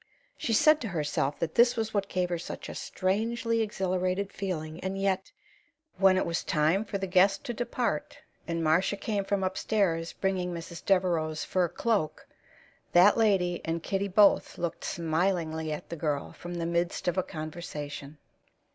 She said to herself that this was what gave her such a strangely exhilarated feeling; and yet When it was time for the guest to depart, and Marcia came from upstairs bringing Mrs. Devereaux's fur cloak, that lady and Kitty both looked smilingly at the girl from the midst of a conversation.